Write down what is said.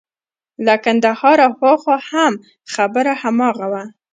له کندهاره هاخوا هم خبره هماغه وه.